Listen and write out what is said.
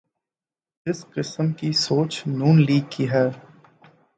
جس قسم کی سوچ ن لیگ کی ہے۔